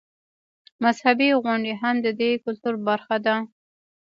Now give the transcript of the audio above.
مذهبي غونډې هم د دې کلتور برخه ده.